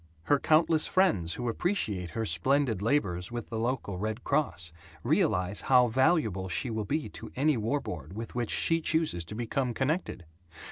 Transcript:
Her countless friends who appreciate her splendid labors with the local Red Cross realize how valuable she will be to any war board with which she chooses to become connected.